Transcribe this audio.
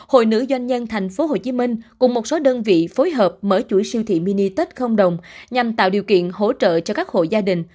hội nữ doanh nhân thành phố hồ chí minh cùng một số đơn vị phối hợp mở chuỗi siêu thị mini tết không động nhằm tạo điều kiện hỗ trợ cho các hội gia đình